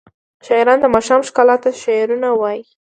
شاعران د ماښام ښکلا ته شعرونه وايي.